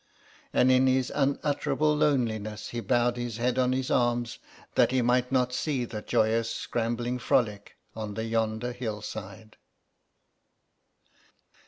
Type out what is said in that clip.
And in his unutterable loneliness he bowed his head on his arms, that he might not see the joyous scrambling frolic on yonder hillside.